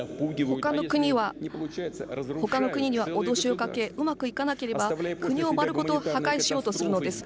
他の国には脅しをかけうまくいかなければ国を丸ごと破壊しようとするのです。